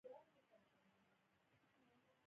بیا یې د قدرت د ټینګیدو لپاره